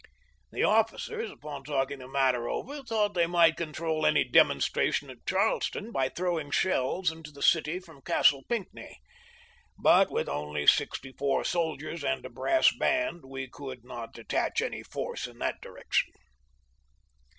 The officers, upon talk ing the matter over, thought they might control any demonstration at Charleston by throwing shells into the city from Castle Pinckney. But, with only sixty four soldiers and a brass band, we could not de tach any force in that direction.